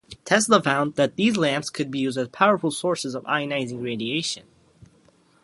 Tesla found that these lamps could be used as powerful sources of ionizing radiation.